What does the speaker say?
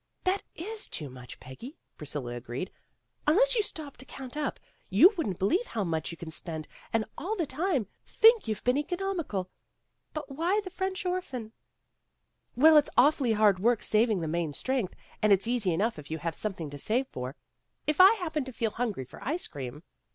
"That is too much, Peggy," Priscilla agreed. "Unless you stop to count up, you wouldn't believe how much you can spend and all the time think you've been economical. But why the French orphan?" 1 1 Well, it 's awfully hard work saving by main FRIENDLY TERRACE ORPHANAGE 101 strength, and it's easy enough if you (have something to save for. If I happen to feel hungry for ice cream.'